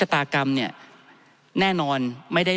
ท่านประธานครับนี่คือสิ่งที่สุดท้ายของท่านครับ